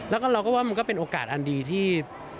แล้วก็เราก็ว่ามันก็เป็นโอกาสอันดีที่